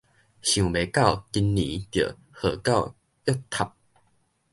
想袂到今年就號到約塔